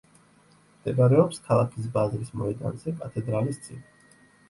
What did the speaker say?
მდებარეობს ქალაქის ბაზრის მოედანზე, კათედრალის წინ.